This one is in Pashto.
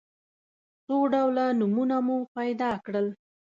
څو ډوله نومونه مو پیدا کړل.